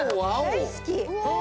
大好き。